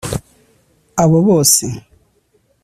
Abo bose